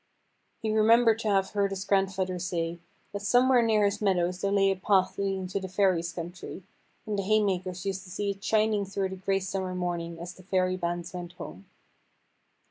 He remembered to have heard his grandfather say, that somewhere near his meadows there lay a path leading to the Fairies' country, and the haymakers used to see it shining through the grey Summer morning as the Fairy bands went home.